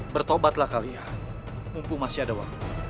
bertobatlah kalia mumpung masih ada waktu